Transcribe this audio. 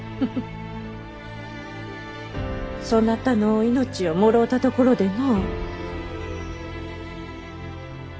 そなたの命をもろうたところでの。